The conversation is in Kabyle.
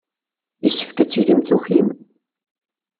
Yessefk ad tilim tukim.